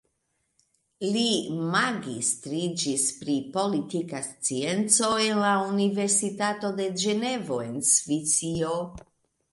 Li magistriĝis pri politika scienco el la Universitato de Ĝenevo en Svisio.